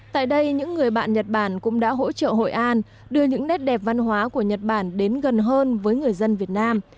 tại đây những người bạn nhật bản cũng đã hỗ trợ hội an đưa những nét đẹp văn hóa của nhật bản đến gần hơn với người dân việt nam